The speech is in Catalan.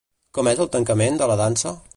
Com és el tancament de la dansa?